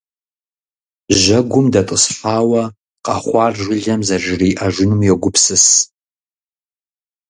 Жьэгум дэтӀысхьауэ, къэхъуар жылэм зэражриӏэжынум йогупсыс.